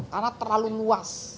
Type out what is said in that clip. karena terlalu luas